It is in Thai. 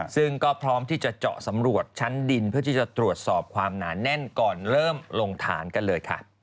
ซึ่งก็พร้อมที่จะเจาะสำรวจชั้นดินเพื่อที่จะตรวจสอบความหนาแน่นก่อนเริ่มลงฐานกันเลยค่ะ